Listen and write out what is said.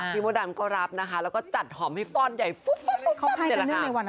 พี่โมดำก็รับนะคะแล้วก็จัดหอมให้ฟ่อนใหญ่